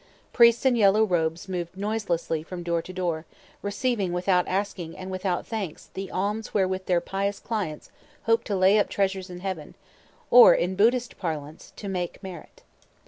Priests in yellow robes moved noiselessly from door to door, receiving without asking and without thanks the alms wherewith their pious clients hoped to lay up treasures in heaven, or, in Buddhist parlance, to "make merit."